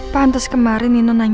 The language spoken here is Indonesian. pantes kemarin nino nanyain gue